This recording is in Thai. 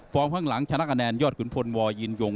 ฟอร์มข้างหลังชนะคะแนน